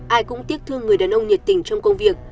ai cũng tiếc thương người đàn ông nhiệt tình trong công việc